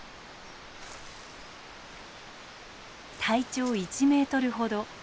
体長１メートルほど。